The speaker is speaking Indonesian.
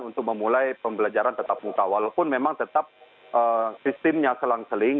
untuk memulai pembelajaran tetap muka walaupun memang tetap sistemnya selang seling